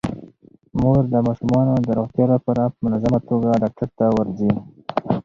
مور د ماشومانو د روغتیا لپاره په منظمه توګه ډاکټر ته ورځي.